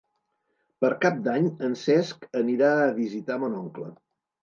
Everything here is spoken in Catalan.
Per Cap d'Any en Cesc anirà a visitar mon oncle.